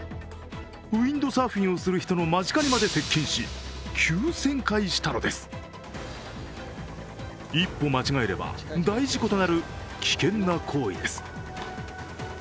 ウインドサーフィンをする人の間近にまで接近し、急旋回したのです一歩間違えれば、大事故となる危険な行為です。